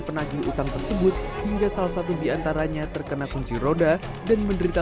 penagih utang tersebut hingga salah satu diantaranya terkena kunci roda dan menderita